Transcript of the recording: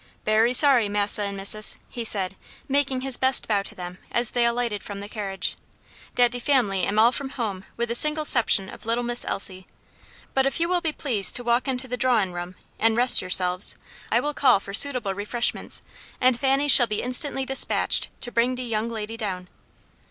"Berry sorry, Massa and Missus," he said, making his best bow to them as they alighted from the carriage, "dat de family am all from home with the single 'ception of little Miss Elsie. But if you will be pleased to walk into the drawin' room, an' rest yourselves, I will call for suitable refreshments, and Fanny shall be instantly despatched to bring de young lady down."